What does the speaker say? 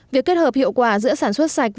việc kết hợp hiệu quả giữa sản xuất sạch